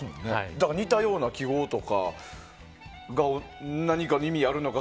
だから似たような記号とかが何か意味があるのか